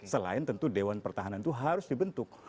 selain tentu dewan pertahanan itu harus dibentuk